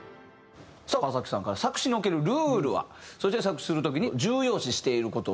さあ川崎さんから「作詞におけるルールは？」そして「作詞する時に重要視している事は？」の２つ。